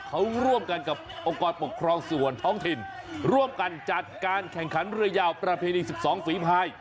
เขาร่วมกันกับองค์กรปกครองส่วนท้องถิ่นร่วมกันจัดการแข่งขันเรือยาวประเพณี๑๒ฝีภาย